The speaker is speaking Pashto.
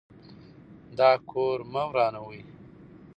دا کور مه ورانوئ.